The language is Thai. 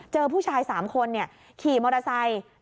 เจอผู้ชาย๓คนขี่มอเตอร์ไซค์